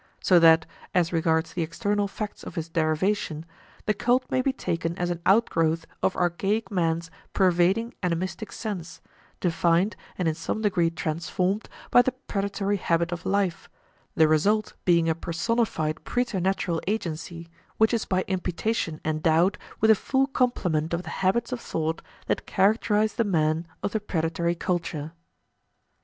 So that, as regards the external facts of its derivation, the cult may be taken as an outgrowth of archaic man's pervading animistic sense, defined and in some degree transformed by the predatory habit of life, the result being a personified preternatural agency, which is by imputation endowed with a full complement of the habits of thought that characterize the man of the predatory culture.